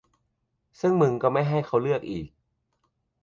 ซึ่งมึงก็ไม่ให้เขาเลือกอีก